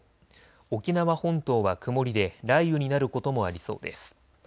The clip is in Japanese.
沖縄本島は曇りで雷雨になることもありそうです。